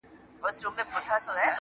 زما د سرڅښتنه اوس خپه سم که خوشحاله سم,